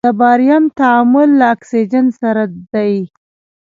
د باریم تعامل له اکسیجن سره دی.